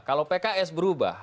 kalau pks berubah